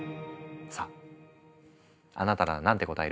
さああなたなら何て答える？